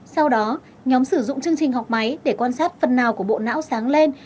sau đó nhóm sử dụng chương trình học máy để quan sát phần nào của bộ não sáng lên